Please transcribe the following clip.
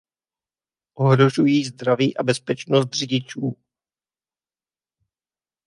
Ohrožují zdraví a bezpečnost řidičů.